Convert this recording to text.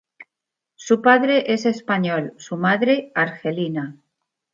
Su padre es español; su madre, argelina.